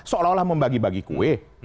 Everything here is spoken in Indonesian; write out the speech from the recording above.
seolah olah mau bagi bagi kue